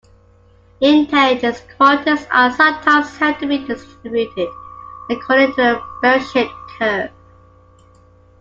Intelligence quotients are sometimes held to be distributed according to the bell-shaped curve.